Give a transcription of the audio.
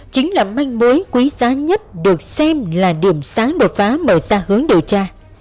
chính là manh mối quý giá nhất được xem là điểm sáng đột phá mở ra hướng điều tra